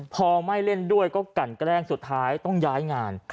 พอไม่เล่นด้วยก็กันแกล้งสุดท้ายต้องย้ายงาน